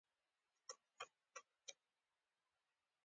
کور د هر انسان لپاره هوساینه لري.